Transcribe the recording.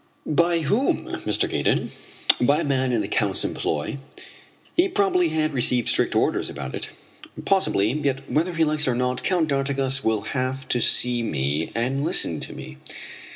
"By whom, Mr. Gaydon?" "By a man in the Count's employ." "He probably had received strict orders about it." "Possibly, yet whether he likes it or not, Count d'Artigas will have to see me and listen to me."